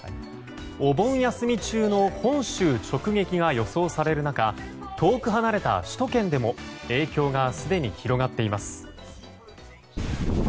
お盆休み中の本州直撃が予想される中遠く離れた首都圏でも影響がすでに広がっています。